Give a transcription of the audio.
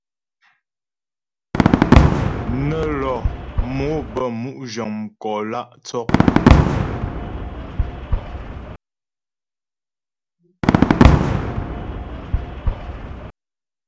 Nə́ lɔ mò bə́ mu' zhəŋ mkò lǎ' tsɔk.